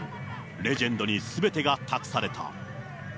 レジェンドにすべてが託された。